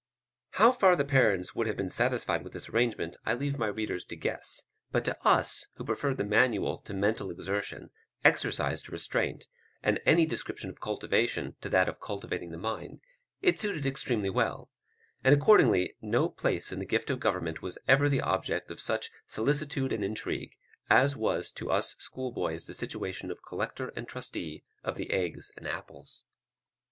How far the parents would have been satisfied with this arrangement, I leave my readers to guess; but to us who preferred the manual to mental exertion, exercise to restraint, and any description of cultivation to that of cultivating the mind, it suited extremely well; and accordingly no place in the gift of government was ever the object of such solicitude and intrigue, as was to us schoolboys the situation of collector and trustee of the eggs and apples.